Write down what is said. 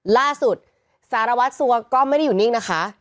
ล่าสุดสารวัตซัวก็ไม่ได้อยู่นิ่งนะคะ